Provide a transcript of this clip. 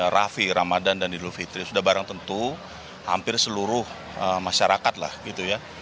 rafi ramadan dan idul fitri sudah barang tentu hampir seluruh masyarakat lah gitu ya